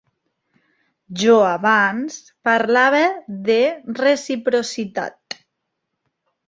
Jo abans parlava de reciprocitat.